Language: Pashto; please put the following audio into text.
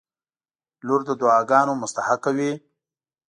• لور د دعاګانو مستحقه وي.